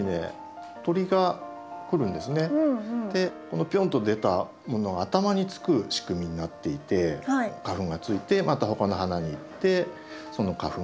このピョンと出たものが頭につく仕組みになっていて花粉がついてまた他の花に行ってその花粉を雌しべにつけるというような。